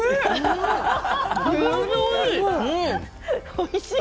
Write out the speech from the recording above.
おいしい。